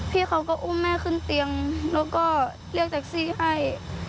พี่เขาก็อุ้มแม่ขึ้นเตียงแล้วก็เรียกแท็กซี่ให้